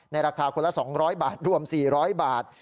ราคาคนละ๒๐๐บาทรวม๔๐๐บาท